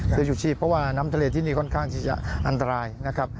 คือชูชีพเพราะว่าน้ำทะเลที่นี่ค่อนข้างที่จะอันตรายนะครับ